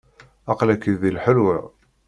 Aql-ak di lxelwa.